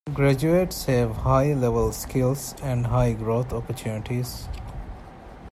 Graduates have high-level skills and high-growth opportunities.